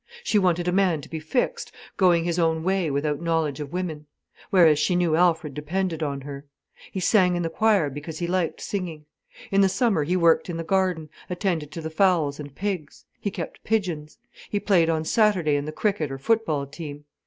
She wanted a man to be fixed, going his own way without knowledge of women. Whereas she knew Alfred depended on her. He sang in the choir because he liked singing. In the summer he worked in the garden, attended to the fowls and pigs. He kept pigeons. He played on Saturday in the cricket or football team.